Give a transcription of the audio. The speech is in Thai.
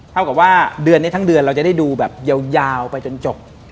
เท่ากับว่าเดือนนี้ทั้งเดือนเราจะได้ดูแบบยาวไปจนจบ